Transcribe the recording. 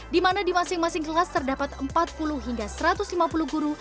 di mana di masing masing kelas terdapat empat puluh hingga satu ratus lima puluh guru